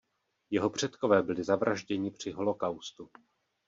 Jeho předkové byli zavražděni při holokaustu.